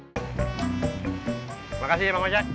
terima kasih bang ojak